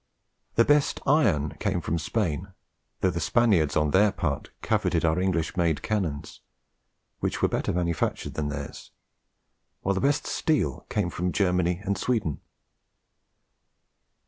The best iron came from Spain, though the Spaniards on their part coveted our English made cannons, which were better manufactured than theirs; while the best steel came from Germany and Sweden.